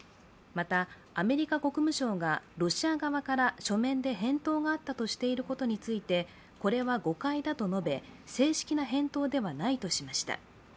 また、アメリカ国務省がロシア側から書面で返答があったとしていることについて、これは誤解だと述べ正式な返答ではないとしました。